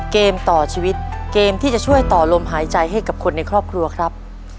เกมต่อชีวิตเกมที่จะช่วยต่อลมหายใจให้กับคนในครอบครัวครับ